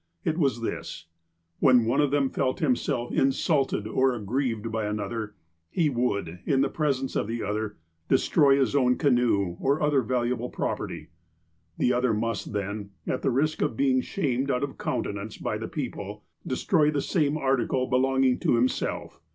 It was this : When one of them felt himself insulted or aggrieved by another, he would, in the presence of the other, destroy his own canoe, or other valuable property. The other must then, at the risk of being shamed out of countenance by the people, destroy the same article belonging to him self.